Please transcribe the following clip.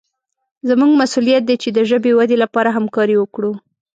زموږ مسوولیت دی چې د ژبې ودې لپاره همکاري وکړو.